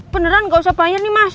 beneran gak usah bayar nih mas